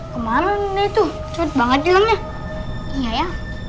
kemarin itu cepet banget jamnya iya ya